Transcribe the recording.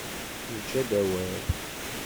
Yeǧǧa-d awal.